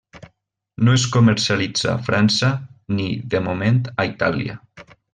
No es comercialitza a França ni, de moment, a Itàlia.